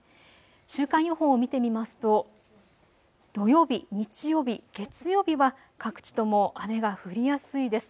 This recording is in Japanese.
週間予報を見てみますと土曜日、日曜日、月曜日は各地とも雨が降りやすいです。